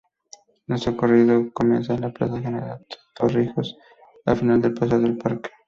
Nuestro recorrido comienza en la Plaza General Torrijos, al final del Paseo del Parque.